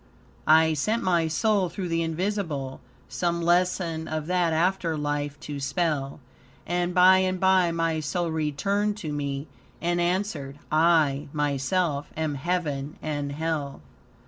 "I sent my soul through the invisible, Some lesson of that after life to spell; And by and by my soul returned to me And answered, 'I, myself, am Heaven and Hell.'